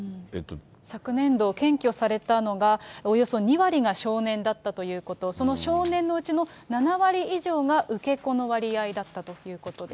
昨年度検挙されたのが、およそ２割が少年だったということ、その少年のうちの７割以上が受け子の割合だったということです。